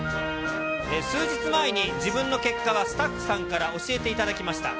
数日前に、自分の結果はスタッフさんから教えていただきました。